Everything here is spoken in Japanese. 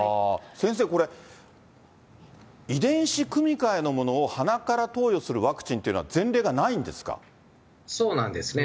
先生、これ、遺伝子組み換えのものを鼻から投与するワクチンというのは前例がそうなんですね。